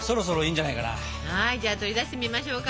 はいじゃあ取り出してみましょうか。